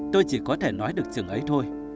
tôi chỉ có thể nói được chừng ấy thôi